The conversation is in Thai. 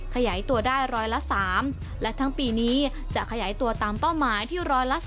ขยายตัวได้ร้อยละ๓และทั้งปีนี้จะขยายตัวตามเป้าหมายที่๑๔